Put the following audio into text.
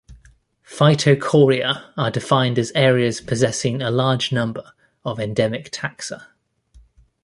Phytochoria are defined as areas possessing a large number of endemic taxa.